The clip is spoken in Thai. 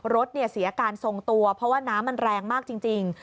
รถเสียอาการทรงตัวเพราะว่าน้ำมันแรงมากจริง